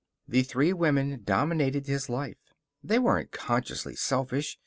The three women dominated his life. They weren't consciously selfish.